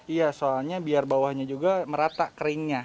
iya soalnya biar bawahnya juga merata keringnya